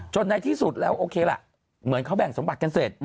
ในที่สุดแล้วโอเคล่ะเหมือนเขาแบ่งสมบัติกันเสร็จ